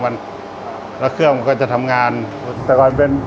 สวัสดีครับผมชื่อสามารถชานุบาลชื่อเล่นว่าขิงถ่ายหนังสุ่นแห่ง